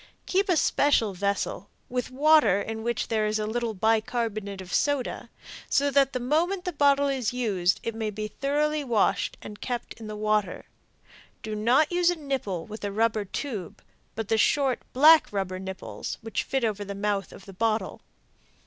Keep a special vessel, with water in which there is a little bicarbonate of soda, so that the moment the bottle is used it may be thoroughly washed and kept in the water. Do not use a nipple with a rubber tube, but the short, black rubber nipples, which fit over the mouth of the bottle.